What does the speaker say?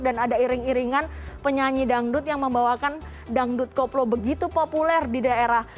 dan ada iring iringan penyanyi dangdut yang membawakan dangdut koplo begitu populer di daerah